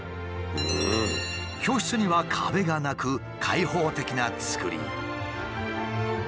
教室には壁がなく開放的な造り。